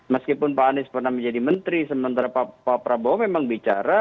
meskipun pak anies pernah menjadi menteri sementara pak prabowo memang bicara